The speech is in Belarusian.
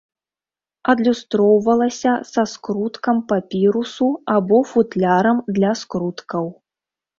Адлюстроўвалася са скруткам папірусу або футлярам для скруткаў.